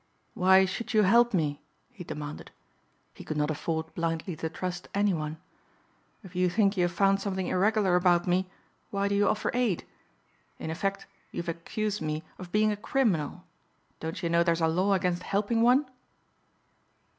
"Why should you help me?" he demanded. He could not afford blindly to trust any one. "If you think you have found something irregular about me why do you offer aid? In effect you have accused me of being a criminal. Don't you know there's a law against helping one?"